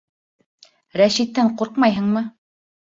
— Рәшиттән ҡурҡмайһыңмы?